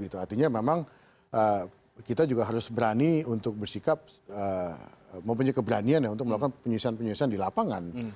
dan itu memang hal yang sangat penting jadi saya juga harus berani untuk bersikap mempunyai keberanian untuk melakukan penyelesaian penyelesaian di lapangan